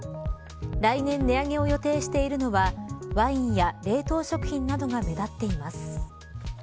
来年値上げを予定しているのはワインや冷凍食品などが目立っています。